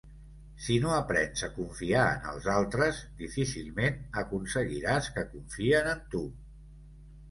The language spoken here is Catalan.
Si no aprens a confiar en els altres, difícilment aconseguiràs que confien en tu.